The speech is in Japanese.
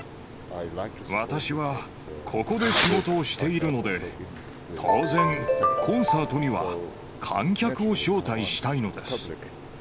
私はここで仕事をしているので、当然、コンサートには観客を招待したいのです。